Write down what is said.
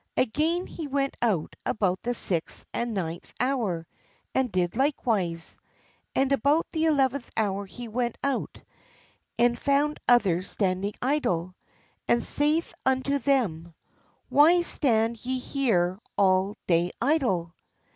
Again he went out about the sixth and ninth hour, and did likewise. And about the eleventh hour he went out, and g ! 29 1 m LABOURERS IN THE VINEYARD found others standing idle, and saith unto them :' Why stand ye here all the day idle?